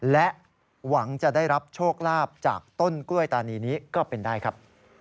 และหวังจะได้รับโชคลาภจากต้นกล้วยตานีนี้ก็เป็นได้ครับ